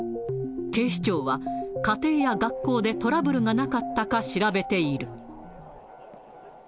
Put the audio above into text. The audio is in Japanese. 警視庁は、家庭や学校でトラブルがなかったか調べている。